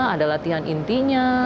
ada latihan intinya